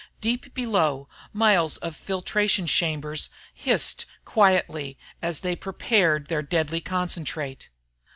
Deep below, miles of filtration chambers hissed quietly as they prepared their deadly concentrate.